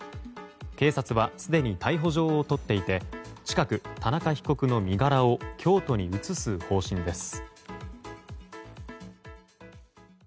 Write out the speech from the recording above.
警察はすでに逮捕状を取っていて近く田中被告の身柄を京都に移す方針です。